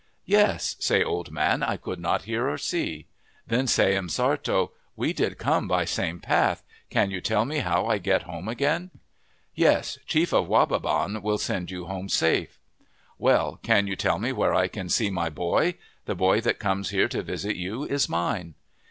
"' Yes,' say old man, ' I could not hear or see.' " Then say M'Sartto, ' We did come by same path. Can you tell me how I get home again ?'"' Yes, Chief of Wa ba ban will send you home safe.' 144 OF THE PACIFIC NORTHWEST "* Well, can you tell me where I can see my boy ? the boy that comes here to visit you is mine.'